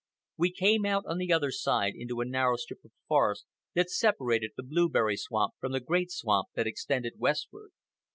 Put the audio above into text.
We came out on the other side into a narrow strip of forest that separated the blueberry swamp from the great swamp that extended westward.